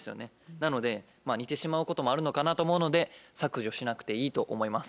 なので似てしまうこともあるのかなと思うので削除しなくていいと思います。